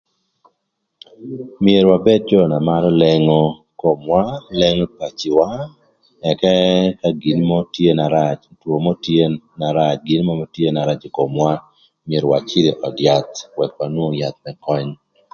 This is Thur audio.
Myero wabed jö na marö lengo ï komwa lengo ï paciwa ëka ka gin mörö tye na rac, two mörö tye na rac ï komwa thwara ëcïdhö öd yath më pïmërë më nwongo köny.